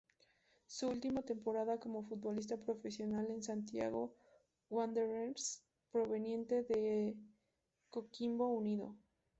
Su última temporada como futbolista profesional en el Santiago Wanderers proveniente de Coquimbo Unido.